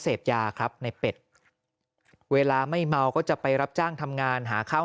เสพยาครับในเป็ดเวลาไม่เมาก็จะไปรับจ้างทำงานหาข้าว